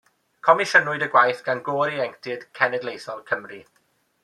Comisiynwyd y gwaith gan Gôr Ieuenctid Cenedlaethol Cymru.